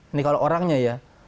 ini kalau orangnya ya